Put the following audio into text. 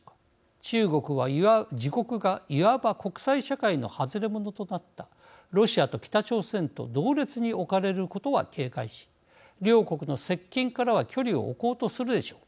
中国は自国がいわば国際社会の外れものとなったロシアと北朝鮮と同列に置かれることは警戒し両国の接近からは距離を置こうとするでしょう。